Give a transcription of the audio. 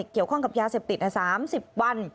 เกี่ยวข้องกับยาเสพติด๓๐วัน